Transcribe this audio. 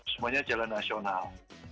semuanya jalan nasional